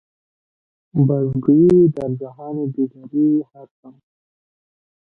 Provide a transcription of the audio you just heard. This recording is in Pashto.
باز گوئی در جهان دیگری هستم.